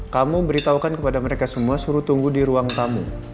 kamu beritahukan kepada mereka semua suruh tunggu di ruang tamu